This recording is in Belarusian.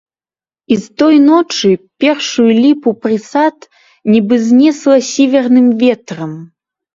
І з той ночы першую ліпу прысад нібы знесла сіверным ветрам.